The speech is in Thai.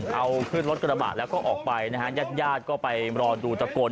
เอาขึ้นรถกระบะแล้วก็ออกไปนะฮะญาติญาติก็ไปรอดูตะโกน